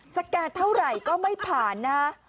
สแกนเท่าไหร่ก็ไม่ผ่านนะฮะ